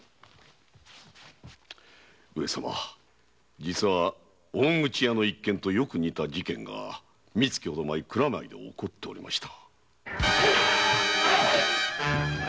上様実は大口屋の一件とよく似た事件が三か月ほど前蔵前で起こっておりました。